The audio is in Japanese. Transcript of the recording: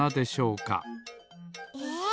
え？